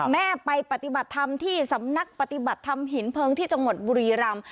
แม่ไปปฏิบัติธรรมที่สำนักปฏิบัติธรรมหินเพลิงที่จังหวัดบุรีรำ